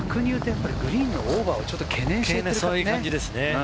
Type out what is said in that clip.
グリーンのオーバーを懸念してるんですね。